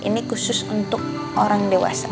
ini khusus untuk orang dewasa